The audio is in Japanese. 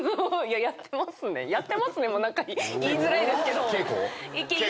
「やってますね」も何か言いづらいですけど。